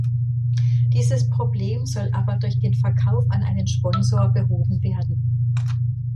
Dieses Problem soll aber durch den Verkauf an einen Sponsor behoben werden.